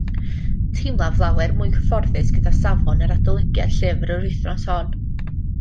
Teimlaf lawer mwy cyfforddus gyda safon yr adolygiad llyfr yr wythnos hon